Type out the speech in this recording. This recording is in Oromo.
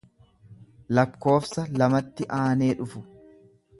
lakkoofsa lamatti aanee dhufu.